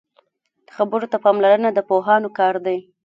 خبرو ته پاملرنه د پوهانو کار دی